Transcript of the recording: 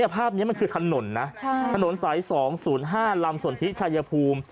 ภาพนี้มันคือถนนนะถนนสาย๒๐๕ลำสนทิชายภูมิ